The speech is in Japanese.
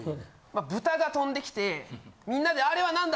豚が飛んできてみんなであれは何だ？